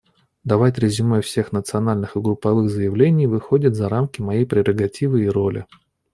Давать резюме всех национальных и групповых заявлений выходит за рамки моей прерогативы и роли.